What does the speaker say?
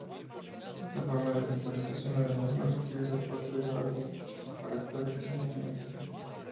Esta forma de virtualización además no requiere soporte en hardware para actuar eficientemente.